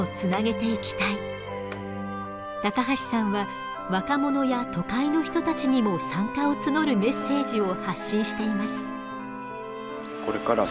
橋さんは若者や都会の人たちにも参加を募るメッセージを発信しています。